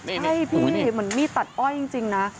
ใช่พี่เหมือนมีดตัดอ้อยจริงนะ